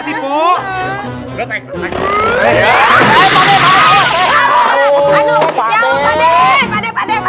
bikin capek orang